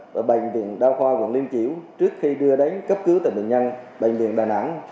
và bệnh viện đao khoa quận liên triều trước khi đưa đánh cấp cứu tại bệnh viện đà nẵng